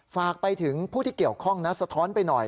ฝากไปถึงผู้ที่เกี่ยวข้องนะสะท้อนไปหน่อย